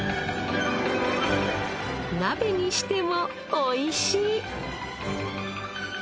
鍋にしてもおいしい。